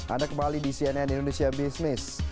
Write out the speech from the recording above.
anda kembali di cnn indonesia business